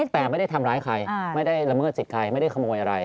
แต่ไม่ได้ทำร้ายใครไม่ได้ละเมิดสิทธิ์ใครไม่ได้ขโมยอะไร